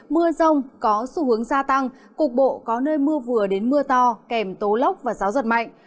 mưa rông có xu hướng gia tăng cục bộ có nơi mưa vừa đến mưa to kèm tố lốc và gió giật mạnh